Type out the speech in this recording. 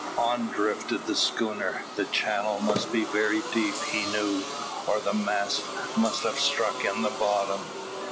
On drifted the schooner. The channel must be very deep, he knew, or the masts must have stuck in the bottom.